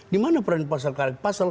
di mana peran pasal karet